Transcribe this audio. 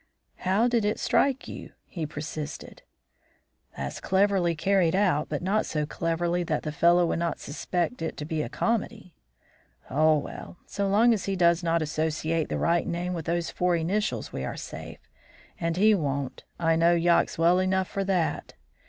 "How did it strike you?" he persisted. "As cleverly carried out, but not so cleverly that the fellow will not suspect it to be a comedy." "Oh, well! So long as he does not associate the right name with those four initials we are safe. And he won't; I know Yox well enough for that."